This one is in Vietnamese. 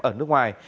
ở nước ngoài